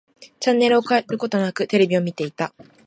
チャンネルを変えることなく、テレビを見ていた。